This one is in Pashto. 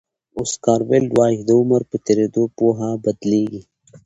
اوسکار ویلډ وایي د عمر په تېرېدو پوهه بدلېږي.